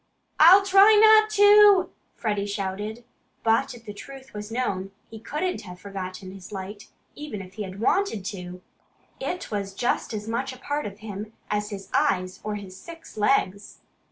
"I'll try not to!" Freddie shouted. But if the truth was known, he couldn't have forgotten his light, even if he had wanted to! It was just as much a part of him as his eyes or his six legs.